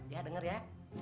ya denger ya